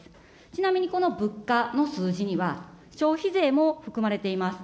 ちなみにこの物価の数字には、消費税も含まれています。